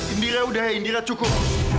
indira udah ya indira cukup